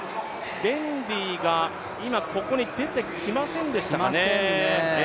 デンディーが今、ここに出てきませんでしたかね。